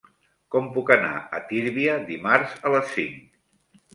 Com puc anar a Tírvia dimarts a les cinc?